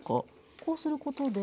こうすることで。